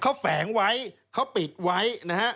เขาแฝงไว้เขาปิดไว้